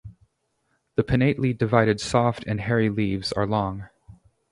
The pinnately divided soft and hairy leaves are long.